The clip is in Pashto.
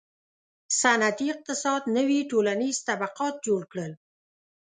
• صنعتي اقتصاد نوي ټولنیز طبقات جوړ کړل.